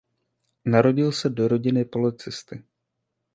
Narodil se do rodiny policisty.